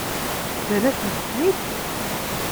Ǧǧan-asent-ten-id?